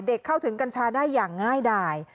เข้าถึงกัญชาได้อย่างง่ายดาย